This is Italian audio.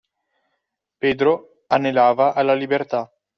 Pedro anelava alla libertà